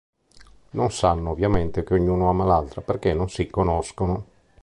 Non sanno ovviamente che ognuno ama l'altra, perché non si conoscono.